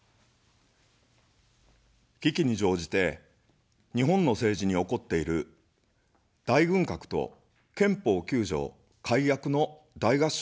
危機に乗じて、日本の政治に起こっている大軍拡と憲法９条改悪の大合唱は重大です。